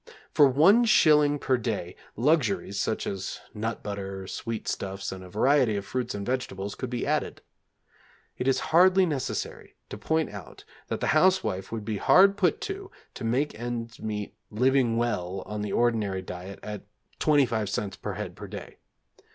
For one shilling per day, luxuries, such as nut butter, sweet stuffs, and a variety of fruits and vegetables could be added. It is hardly necessary to point out that the housewife would be 'hard put to' to make ends meet 'living well' on the ordinary diet at 25c. per head per day.